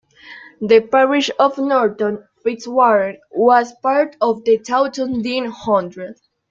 The parish of Norton Fitzwarren was part of the Taunton Deane Hundred.